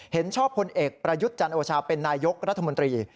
เห็นชอบพลเอกประยุทธ์จันโอชาเป็นนายกรัฐมนตรี